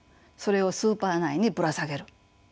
それをスーパー内にぶら下げる。